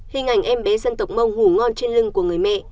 hình ảnh em bé dân tộc mông hủ ngon trên lưng của người mẹ